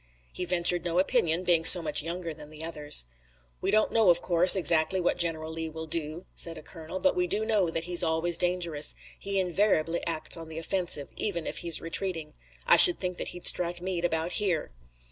He ventured no opinion, being so much younger than the others. "We don't know, of course, exactly what General Lee will do," said a colonel, "but we do know that he's always dangerous. He invariably acts on the offensive, even if he's retreating. I should think that he'd strike Meade about here."